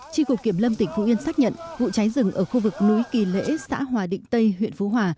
tri cục kiểm lâm tỉnh phú yên xác nhận vụ cháy rừng ở khu vực núi kỳ lễ xã hòa định tây huyện phú hòa